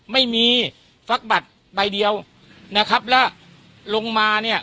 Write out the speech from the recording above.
ไม่มีฟักบัตรใบเดียวนะครับแล้วลงมาเนี่ย